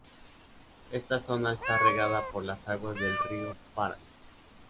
Esta zona está regada por las aguas del Río Paraná.